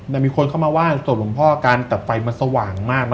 เพราะว่าส่วนของพ่อการตัดไฟมันสว่างมาก